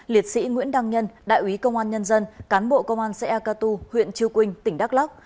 bốn liệt sĩ nguyễn đăng nhân đại quý công an nhân dân cán bộ công an xã eca tu huyện chư quynh tỉnh đắk lắc